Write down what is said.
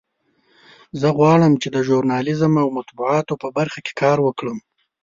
زه غواړم چې د ژورنالیزم او مطبوعاتو په برخه کې کار وکړم